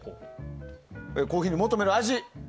コーヒーに求める味。